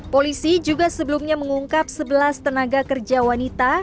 polisi juga sebelumnya mengungkap sebelas tenaga kerja wanita